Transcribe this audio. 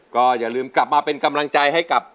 ก็อย่าลืมกลับมาเป็นกำลังใจให้กับ